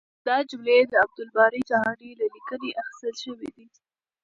دا جملې د عبدالباري جهاني له لیکنې اخیستل شوې دي.